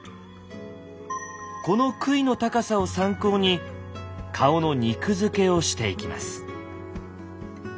この杭の高さを参考に顔の肉付けをしていきます。